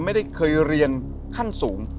ไม่ได้เคยเรียนขั้นสูง